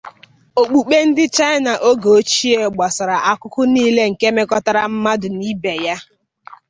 Okpukpe ndị China oge ochie gbasara akụkụ niile nke mmekọrịta mmadụ na ibe ya.